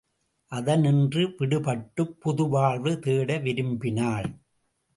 அதனின்று விடுபட்டுப் புதுவாழ்வு தேட விரும்பினாள்.